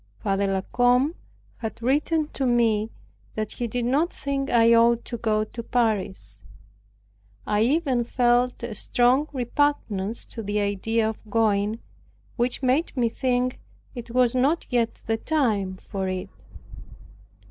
Father La Combe had written to me that he did not think I ought to go to Paris. I even felt a strong repugnance to the idea of going, which made me think it was not yet the time for it.